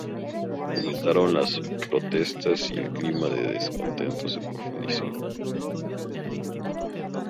Aumentaron las protestas y el clima de descontento se profundizó.